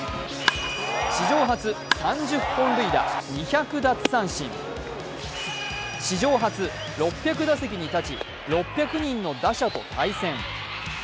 史上初、３０本塁打、２００奪三振史上初６００打席に立ち、６００人の打者と対戦。